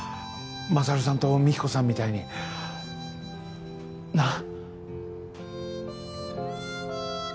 勝さんと美貴子さんみたいになっ？